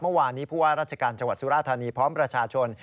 เมื่อวานนี้ผู้ว่าราชการจังหวัดสุราธานีพร้อมประชาชน